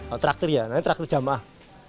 mentraktir ya nanti traktir jamaah